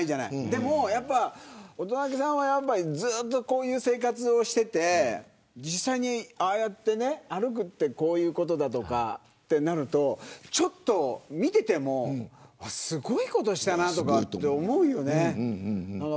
でも乙武さんはずっとこういう生活をしていて実際に歩くってこういうことだとかなると見ていてもすごいことをしたなと思うよね。